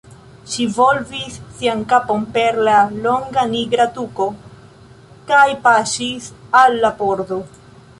Ŝi volvis sian kapon per la longa nigra tuko kaj paŝis al la pordo.